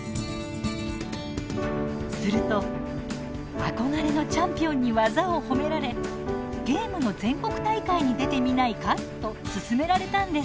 すると憧れのチャンピオンに技を褒められ「ゲームの全国大会に出てみないか」と勧められたんです。